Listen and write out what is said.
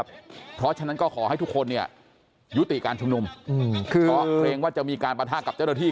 เพราะฉะนั้นก็ขอให้ทุกคนเนี่ยยุติการชุมนุมคือเพราะเกรงว่าจะมีการปะทะกับเจ้าหน้าที่